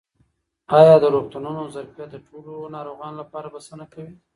آیا د روغتونونو ظرفیت د ټولو ناروغانو لپاره بسنه کوي؟